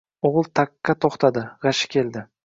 O’gil taqqa to’xtadi. G’ashi keldi.